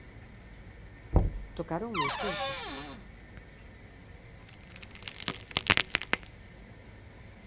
Tocáronme os peitos.